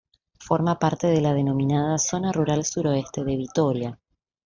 Forma parte de la denominada Zona Rural Suroeste de Vitoria.